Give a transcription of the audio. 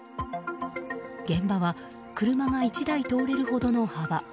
現場は車が１台通れるほどの幅。